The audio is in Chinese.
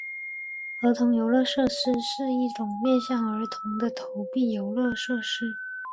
儿童游乐设施是一种面向儿童的投币游乐设施。